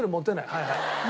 はいはい。